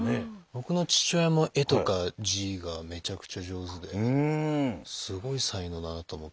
僕の父親も絵とか字がめちゃくちゃ上手ですごい才能だなと思ってて。